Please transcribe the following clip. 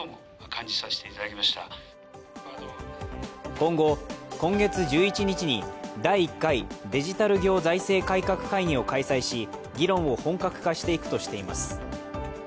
今後、今月１１日に第１回デジタル行財政改革会議を開催し、議論を本格化していくとしています。